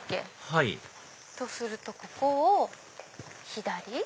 はいとするとここを左？